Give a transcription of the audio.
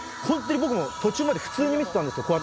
本当に僕も途中まで普通に見てたんですよ